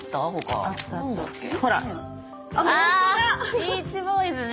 『ビーチボーイズ』ね！